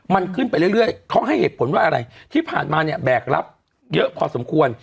มันขึ้นไปเรื่อยเขาให้เหตุผลว่าอะไรที่ผ่านมาเนี่ยแบกรับเยอะพอสมควร